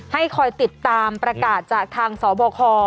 ให้คอยติดตามประกาศจากทางสบค